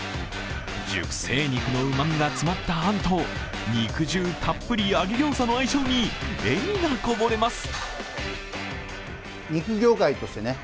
熟成肉のうまみが詰まったあんと肉汁たっぷり揚げ餃子の味に、相性に笑みがこぼれます。